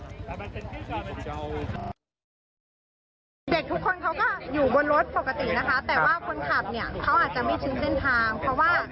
เด็กทุกคนเขาก็อยู่บนรถปกตินะคะ